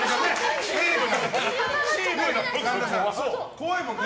怖いもんね。